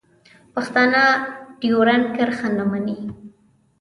پښتانه ډیورنډ کرښه نه مني.